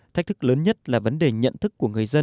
thách thức lớn nhất là vấn đề nhận thức của người dân